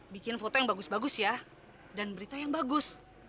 bikin foto yang bagus bagus ya dan berita yang bagus